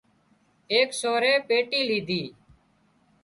ايڪ سورئي پيٽي ليڌي